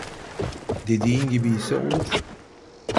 Dediğin gibiyse olur